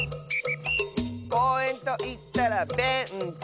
「こうえんといったらベンチ！」